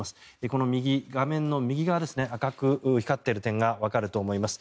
この右、画面の右側赤く光っている点がわかると思います。